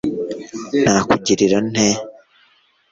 nakugirira nte